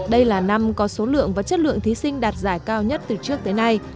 đây là năm có số lượng và chất lượng thí sinh đạt giải cao nhất từ trước tới nay